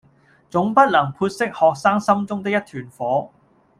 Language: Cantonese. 總不能潑熄學生心中的一團火